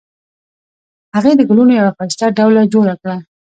هغې د ګلونو یوه ښایسته ډوله جوړه کړې